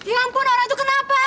ya ampun orang itu kenapa